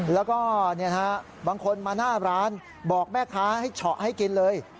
แล้วก็บางคนมาหน้าร้านบอกแม่ค้าให้เฉาะให้กินเลย